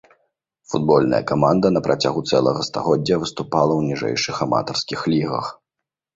Футбольная каманда на працягу цэлага стагоддзя выступала ў ніжэйшых аматарскіх лігах.